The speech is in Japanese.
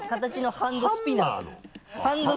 ハンドスピナー？